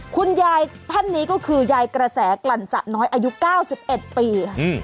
คุณยายท่านนี้ก็คือยายกระแสกลั่นสะน้อยอายุ๙๑ปีค่ะ